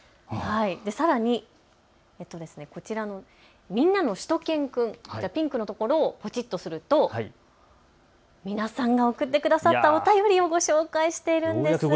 さらに、みんなのしゅと犬くんというピンクのところをポチッとすると皆さんが送ってくださったお便りをご紹介しているんです。